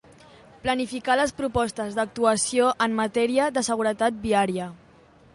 Planificar les propostes d'actuació en matèria de seguretat viària.